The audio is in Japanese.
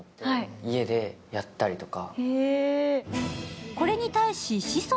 家でやったりとか。